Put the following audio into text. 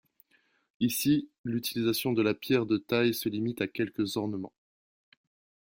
Ici, l'utilisation de la pierre de taille se limite à quelques ornements.